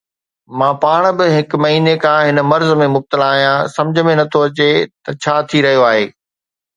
مان پاڻ به هڪ مهيني کان هن مرض ۾ مبتلا آهيان، سمجهه ۾ نٿو اچي ته ڇا ٿي رهيو آهي.